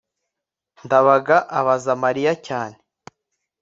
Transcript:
ndabaga abaza mariya cyane